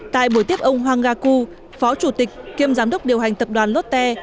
tại buổi tiếp ông hoàng ga ku phó chủ tịch kiêm giám đốc điều hành tập đoàn lotte